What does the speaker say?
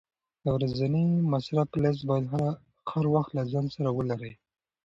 د ورځني مصرف لیست باید هر وخت له ځان سره ولرې.